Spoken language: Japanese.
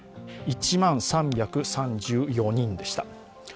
１万３３４人でした。